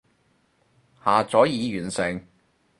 下載已完成